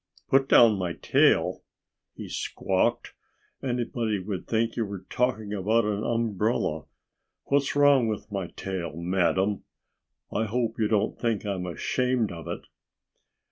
"Put down my tail!" he squawked. "Anybody would think you were talking about an umbrella. What's wrong with my tail, madam? I hope you don't think I'm ashamed of it."